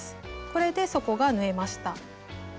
これで底が縫えました。